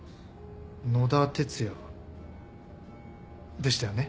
野田哲也でしたよね？